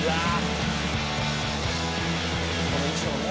「この衣装ね」